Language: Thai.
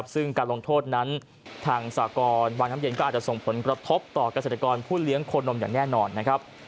ซึ่งการลงโทษนั้นทางสากรวังน้ำเย็นก็อาจจะส่งผลกระทบต่อเกษตรกรผู้เลี้ยงโคนมอย่างแน่นอนนะครับ